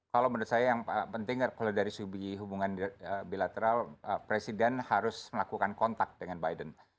kalau menurut saya yang penting kalau dari segi hubungan bilateral presiden harus melakukan kontak dengan biden